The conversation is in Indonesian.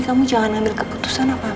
kamu jangan ambil keputusan apa